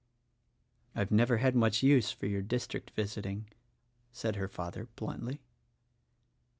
"I've never had much use for your district visiting," said her father bluntly.